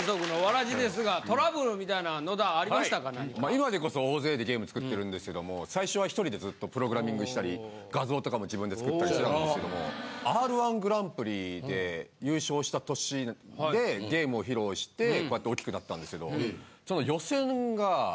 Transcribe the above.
今でこそ大勢でゲーム作ってるんですけども最初は１人でずっとプログラミングしたり画像とかも自分で作ったりしてたんですけども『Ｒ−１グランプリ』で優勝した年でゲームを披露してこうやって大きくなったんですけど。